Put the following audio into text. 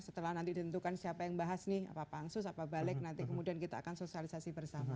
setelah nanti ditentukan siapa yang bahas nih apa pansus apa balik nanti kemudian kita akan sosialisasi bersama